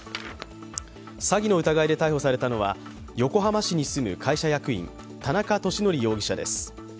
詐欺の疑いで逮捕されたのは、横浜市に住む会社役員、田中利典容疑者です。